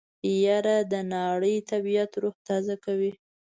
يره د ناړۍ طبعيت روح تازه کوي.